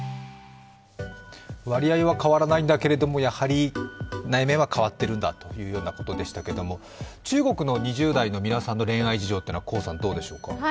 割合は変わらないんだけれども、やはり内面は変わっているんだということでしたけれども、中国の２０代の皆さんの恋愛事情はどうでしょうか？